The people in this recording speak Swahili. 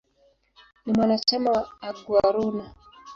Ni mwanachama wa "Aguaruna".